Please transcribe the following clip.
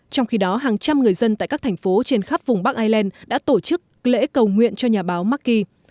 trong khi đó hàng trăm người dân tại các thành phố trên khắp vùng bắc ireland đã tổ chức lễ cầu nguyện cho nhà báo mckee